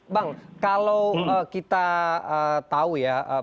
bang kalau kita tahu ya